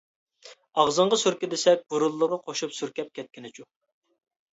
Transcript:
ئاغزىڭغا سۈركە دېسەك، بۇرۇنلىرىغا قوشۇپ سۈركەپ كەتكىنىچۇ.